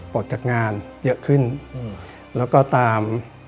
ออกจากงานเยอะขึ้นแล้วก็ตาม